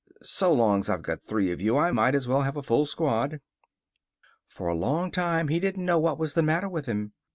So long's I've got three of you, I might as well have a full squad." For a long time he didn't know what was the matter with him.